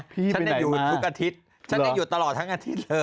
พี่ไปไหนมาฉันได้อยู่ทุกอาทิตย์ฉันได้อยู่ตลอดทั้งอาทิตย์เลย